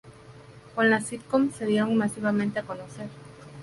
Con las sitcom se dieron masivamente a conocer.